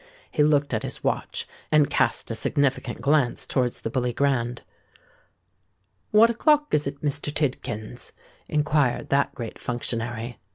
He looked at his watch, and cast a significant glance towards the Bully Grand. "What o'clock is it, Mr. Tidkins?" inquired that great functionary.